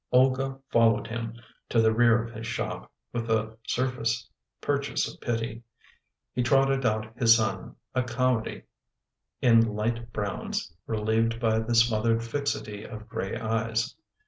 Olga followed him to the rear of his shop, with a sur face purchase of pity. He trotted out his son, a comedy in light browns relieved by the smothered fixity of gray eyes.